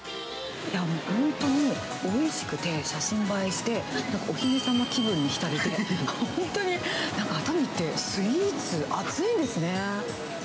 本当においしくて、写真映えして、お姫様気分に浸れて、本当になんか熱海って、スイーツ熱いんですね。